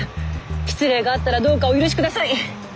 失礼があったらどうかお許しください。